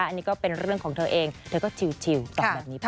อันนี้ก็เป็นเรื่องของเธอเองเธอก็ชิวตอบแบบนี้ไป